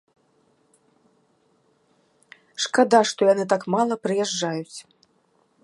Шкада, што яны так мала прыязджаюць.